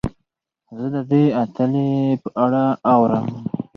زه د دې اتلې په اړه اورم.